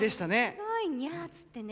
すごいニャーつってね